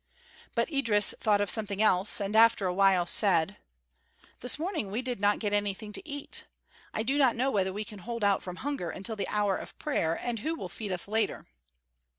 But Idris thought of something else, and after a while said: "This morning we did not get anything to eat. I do not know whether we can hold out from hunger until the hour of prayer, and who will feed us later?"